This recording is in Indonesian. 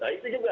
nah itu juga